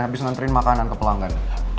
habis nunterin makanan ke pelanggan